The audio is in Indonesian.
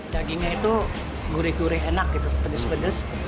dagingnya itu gurih gurih enak gitu pedes pedes